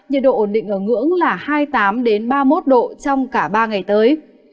nhiệt độ ổn định ở ngưỡng là hai mươi tám ba mươi một độ trong cả ba ngày tới